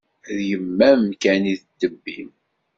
D yemma-m kan i d ddeb-im.